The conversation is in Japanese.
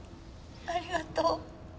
ありがとう泰乃